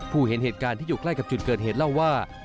เห็นเหตุการณ์ที่อยู่ใกล้กับจุดเกิดเหตุเล่าว่า